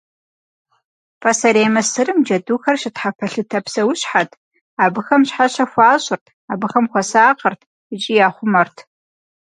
Пасэрей Мысырым джэдухэр щытхьэпэлъытэ псэущхьэт, абыхэм щхьэщэ хуащӏырт, абыхэм хуэсакъырт икӏи яхъумэрт.